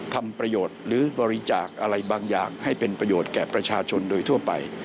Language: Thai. ทำประโยชน์หรือบริจาคอะไรบางอย่างให้เป็นประโยชน์แก่ประชาชนโดยทั่วไป